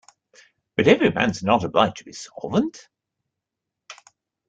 But every man's not obliged to be solvent?